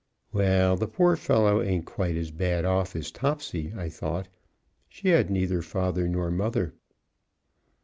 Well, the poor fellow ain't quite as bad off as Topsy, I thought she had neither father nor mother.